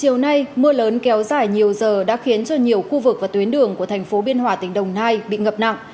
hãy đăng ký kênh để nhận thông tin nhất